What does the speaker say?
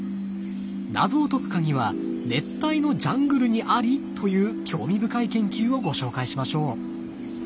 謎を解く鍵は熱帯のジャングルにあり！という興味深い研究をご紹介しましょう。